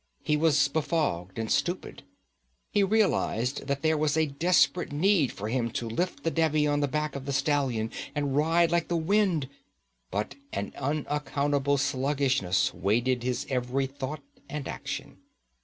He was befogged and stupid. He realized that there was a desperate need for him to lift the Devi on the black stallion and ride like the wind, but an unaccountable sluggishness weighted his every thought and action.